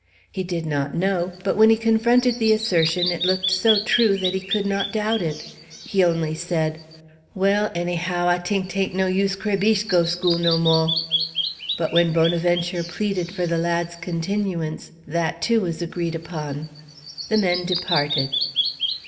He did not know, but when he confronted the assertion it looked so true that he could not doubt it. He only said: "Well, anyhow, I t'ink 'tain't no use Crébiche go school no mo'." But when Bonaventure pleaded for the lad's continuance, that too was agreed upon. The men departed.